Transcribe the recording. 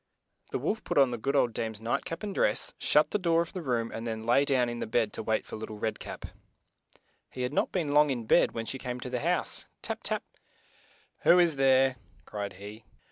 The wolf put on the good old dame's night cap and dress, shut the door of the room, and then lay down in the bed to wait for Lit tle Red Cap. He had not long been in bed when she came to the house. Tap 1 tap! "Who is there?" cried he.